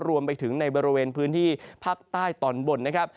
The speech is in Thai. รวมไปถึงในบริเวณพื้นที่ภาคใต้ตอนบนนะครับ